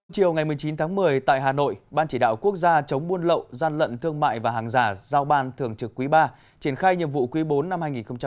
chiều ngày một mươi chín tháng một mươi tại hà nội ban chỉ đạo quốc gia chống buôn lậu gian lận thương mại và hàng giả giao ban thường trực quý ba triển khai nhiệm vụ quý bốn năm hai nghìn hai mươi